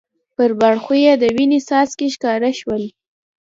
پر باړخو یې د وینې څاڅکي ښکاره شول.